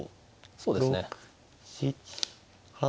そうですね。